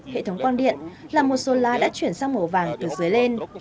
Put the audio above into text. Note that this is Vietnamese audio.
hệ thống quan điện là một solar đã chuyển sang màu vàng từ dưới lên